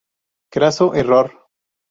Craso error.